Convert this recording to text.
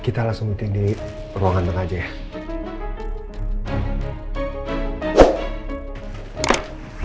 kita langsung duduk di ruangan tengah aja ya